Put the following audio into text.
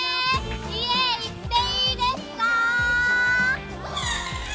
家行っていいですか！？